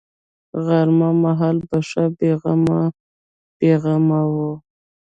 غرمه مهال به ښه بې غمه بې غمه وه.